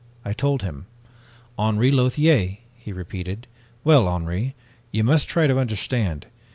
I told him. "'Henri Lothiere,' he repeated. 'Well, Henri, you must try to understand.